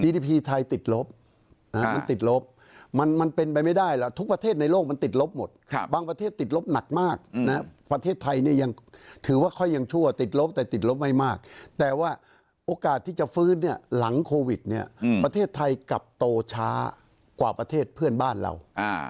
ไทยติดลบมันติดลบมันเป็นไปไม่ได้แล้วทุกประเทศในโลกมันติดลบหมดบางประเทศติดลบหนักมากนะประเทศไทยเนี่ยยังถือว่าค่อยยังชั่วติดลบแต่ติดลบไม่มากแต่ว่าโอกาสที่จะฟื้นเนี่ยหลังโควิดเนี่ยประเทศไทยกลับโตช้ากว่าประเทศเพื่อนบ้านเรา